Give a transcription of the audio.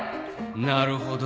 なるほど。